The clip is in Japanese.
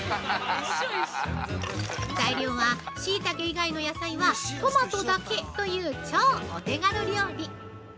材料はしいたけ以外の野菜はトマトだけという超お手軽料理！